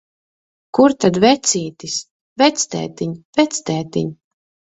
Kur tad vecītis? Vectētiņ, vectētiņ!